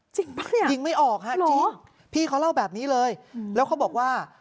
จริงปะเนี่ยหรอพี่เขาเล่าแบบนี้เลยแล้วเขาบอกว่า